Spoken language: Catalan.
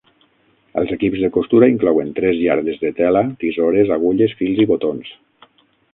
Els equips de costura inclouen tres iardes de tela, tisores, agulles, fils i botons.